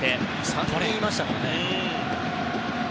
３人いましたからね。